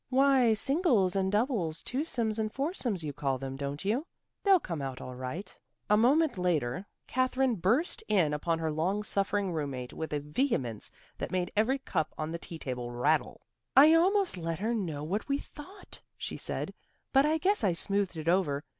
"Why, singles and doubles twosomes and foursomes you call them, don't you? They'll all come out right." A moment later Katherine burst in upon her long suffering roommate with a vehemence that made every cup on the tea table rattle. "I almost let her know what we thought," she said, "but I guess I smoothed it over.